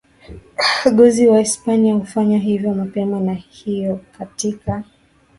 gozi wa hispania ufanye hivyo mapema ni hayo katika